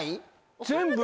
全部。